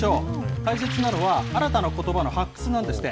大切なのは、新たなことばの発掘なんですって。